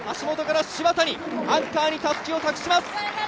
橋本から柴田に、アンカーにたすきを託します。